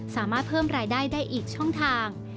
สามารถเพิ่มรายได้ได้อีกช่องทาง